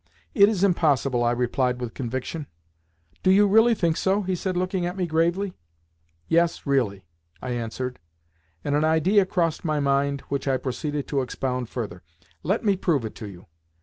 "It is impossible," I replied with conviction. "Do you really think so?" he said, looking at me gravely. "Yes, really," I answered, and an idea crossed my mind which I proceeded to expound further. "Let me prove it to you.